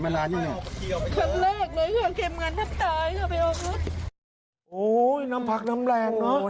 โอ้โหน้ำพักน้ำแรงเนอะ